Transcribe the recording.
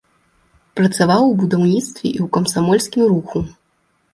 Працаваў у будаўніцтве і ў камсамольскім руху.